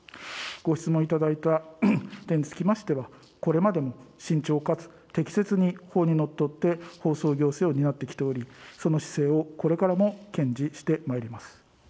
ご質問いただいた点につきましては、これまでも慎重かつ適切に法にのっとって放送行政を担ってきており、その姿勢をこれからも堅持してまいります。